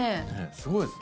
すごいですね。